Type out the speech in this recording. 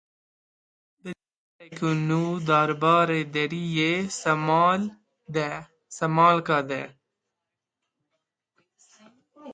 Biryareke nû derbarê deriyê Sêmalka de.